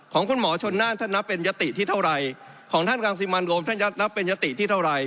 คุณหมอชนน่านท่านนับเป็นยติที่เท่าไหร่ของท่านรังสิมันรวมท่านจะนับเป็นยติที่เท่าไหร่